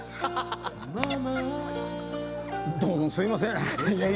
どうもすいません。